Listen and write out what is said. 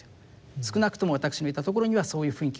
少なくとも私のいた所にはそういう雰囲気があった。